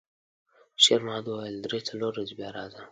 شېرمحمد وویل: «درې، څلور ورځې بیا راځم.»